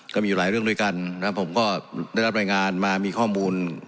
ก็มีหลายเรื่องด้วยกันนะผมก็ได้รับรายงานมามีข้อมูล